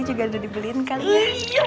juga udah dibeliin kali ya